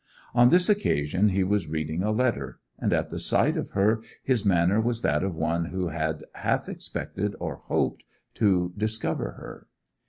On this occasion he was reading a letter, and at the sight of her his manner was that of one who had half expected or hoped to discover her.